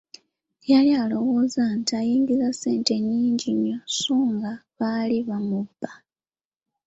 Yalowoozanga nti ayingiza ssente nnyingi nnyo, sso nga baali bamubba.